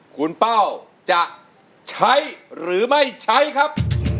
คุณเป้าจะใช้หรือไม่ใช้ครับ